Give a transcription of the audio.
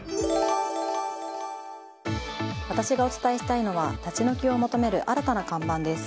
私がお伝えしたいのは立ち退きを求める新たな看板です。